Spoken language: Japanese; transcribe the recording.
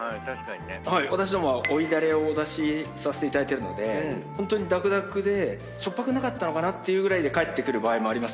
私どもは追いダレをお出しさせていただいてるのでだくだくでしょっぱくなかったかなっていうぐらいで返ってくる場合もある。